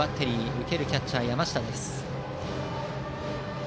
受けるキャッチャーは山下。